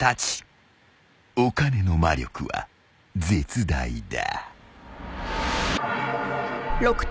［お金の魔力は絶大だ］